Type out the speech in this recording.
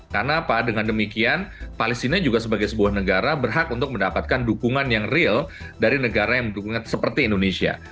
karena dengan demikian palestina juga sebagai sebuah negara berhak untuk mendapatkan dukungan yang real dari negara yang mendukungnya seperti indonesia